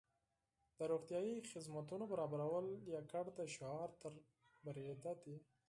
د روغتیايي خدمتونو برابرول یوازې د شعار تر بریده دي.